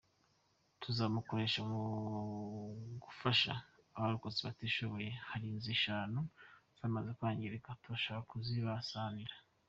Tuzabukoresha mu gufasha abarokotse batishoboye, hari inzu eshanu zamaze kwangirika, turashaka kuzibasanira.